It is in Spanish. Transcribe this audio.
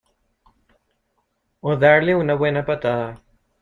O darle una buena patada".